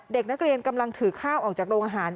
เด็กนักเรียนกำลังถือข้าวออกจากโรงอาหาร